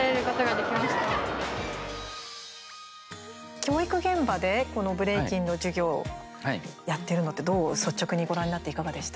教育現場でブレイキンの授業やってるのって率直にご覧になっていかがでした？